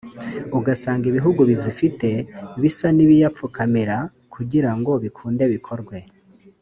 ugasanga ibihugu bizifite bisa n’ibiyapfukamira kugira ngo bikunde bikorwe